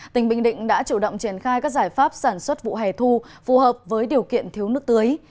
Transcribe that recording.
tỉnh bình định đã chủ động triển khai các giải pháp sản xuất vụ hè thu phù hợp với điều kiện thiếu nước tưới